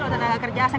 oleh tenaga kerja asing